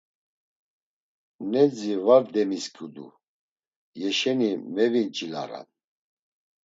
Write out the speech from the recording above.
Nedzi var demisǩudu, yeşeni mevinç̌ilaram.